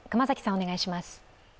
お願いします。